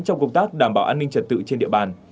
trong công tác đảm bảo an ninh trật tự trên địa bàn